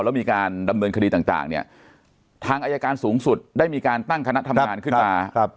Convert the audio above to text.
แล้วมีการดำเนินคดีต่างเนี่ยทางอายการสูงสุดได้มีการตั้งคณะทำงานขึ้นมา